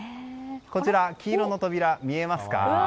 こちら黄色の扉、見えますか？